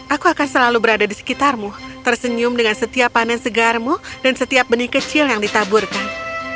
aku akan selalu berada di sekitarmu tersenyum dengan setiap panen segarmu dan setiap benih kecil yang ditaburkan